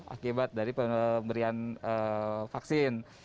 akibat dari pemberian vaksin